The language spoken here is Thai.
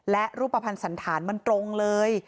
และรูปภัณฑ์สันธารมันตรงเลย